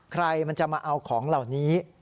ใครมันจะมาเอาของเหล่านี้